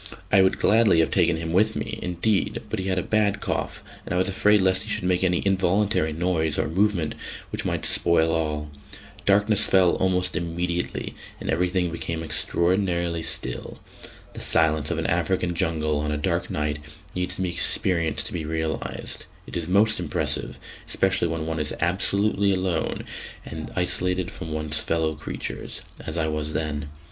I would gladly have taken him with me, indeed, but he had a bad cough, and I was afraid lest he should make any involuntary noise or movement which might spoil all. Darkness fell almost immediately, and everything became extraordinarily still. The silence of an African jungle on a dark night needs to be experienced to be realised; it is most impressive, especially when one is absolutely alone and isolated from one's fellow creatures, as I was then.